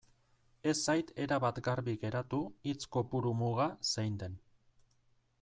Ez zait erabat garbi geratu hitz kopuru muga zein den.